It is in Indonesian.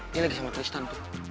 dia lagi sama tristan